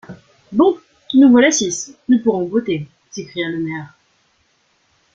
Bon! nous voilà six, nous pourrons voter, s’écria le maire.